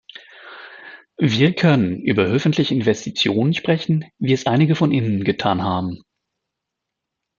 Wir können über öffentliche Investitionen sprechen, wie es einige von Ihnen getan haben.